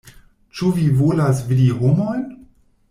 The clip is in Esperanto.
Ĉu vi volas vidi homojn?